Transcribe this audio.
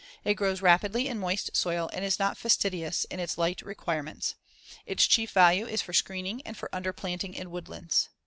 It grows rapidly in moist soil and is not fastidious in its light requirements. Its chief value is for screening and for underplanting in woodlands.